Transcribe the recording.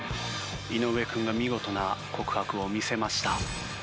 井上君が見事な告白を見せました。